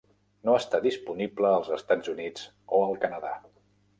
No està disponible als Estats Units o al Canadà.